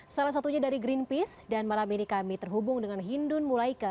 salah satunya dari greenpeace dan malam ini kami terhubung dengan hindun mulaike